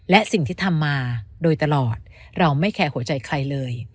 และสิ่งที่ทำมาโดยตลอดเราไม่แคร์หัวใจใครเลย